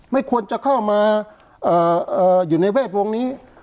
ไม่ควรจะเข้ามาอยู่ในเวทวงศ์นี้